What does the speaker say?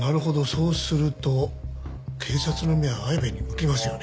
そうすると警察の目は綾部に向きますよね。